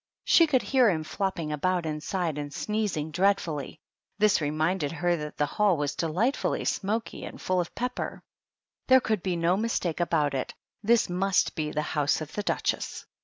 She could hear him flopping about inside and sneezing dreadfully. This reminded her that the hall was delightfully smoky and full of pepper; there could be no mistake about it, this must be the house of « the Duchess.